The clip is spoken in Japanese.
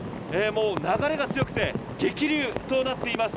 もう流れが強くて激流となっています。